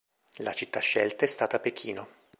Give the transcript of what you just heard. La città scelta è stata Pechino.